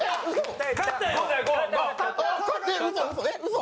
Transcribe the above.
嘘？